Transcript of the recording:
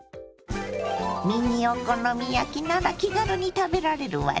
ミニお好み焼きなら気軽に食べられるわね。